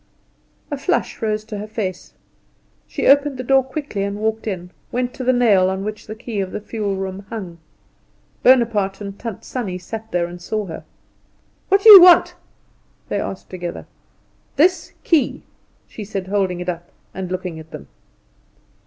A flush rose to her face: she opened the door quickly, and walked in, went to the nail on which the key of the fuel room hung. Bonaparte and Tant Sannie sat there and saw her. "What do you want?" they asked together. "This key," she said, holding it up, and looking at them.